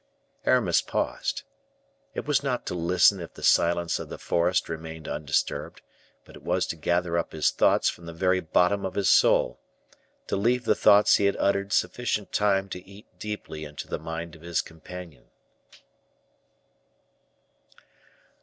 Aramis paused. It was not to listen if the silence of the forest remained undisturbed, but it was to gather up his thoughts from the very bottom of his soul to leave the thoughts he had uttered sufficient time to eat deeply into the mind of his companion.